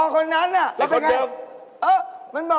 เฮ้ยมันเอามาคืนให้เอา